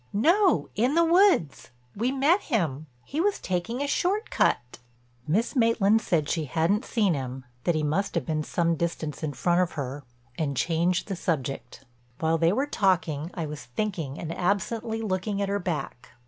"No, in the woods. We met him. He was taking a short cut." Miss Maitland said she hadn't seen him, that he must have been some distance in front of her, and changed the subject. While they were talking I was thinking and absently looking at her back.